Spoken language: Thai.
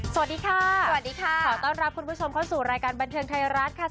สวัสดีค่ะสวัสดีค่ะขอต้อนรับคุณผู้ชมเข้าสู่รายการบันเทิงไทยรัฐค่ะ